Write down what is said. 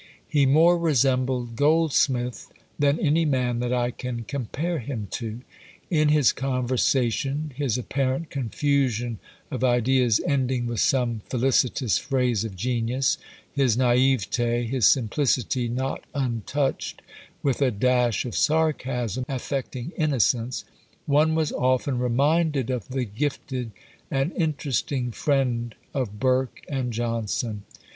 He more resembled Goldsmith than any man that I can compare him to: in his conversation, his apparent confusion of ideas ending with some felicitous phrase of genius, his naïveté, his simplicity not untouched with a dash of sarcasm affecting innocence one was often reminded of the gifted and interesting friend of Burke and Johnson.